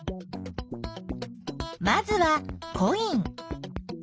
まずはコイン。